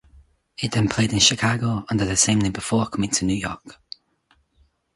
It then played in Chicago under the same name before coming to New York.